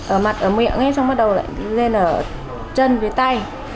ở mặt ở miệng ấy xong bắt đầu lại lên ở chân phía tay